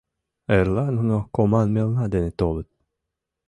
Эрла нуно команмелна дене толыт.